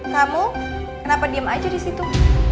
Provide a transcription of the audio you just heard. kamu kenapa diem aja disitu